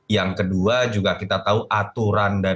yang kedua juga kita tahu aturan dan